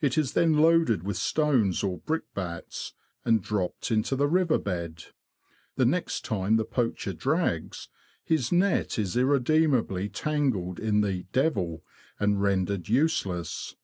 It is then loaded with stones or brickbats, and dropped into the river bed. The next time the poacher drags, his net is irredeemably tangled in the " devil," and rendered useless.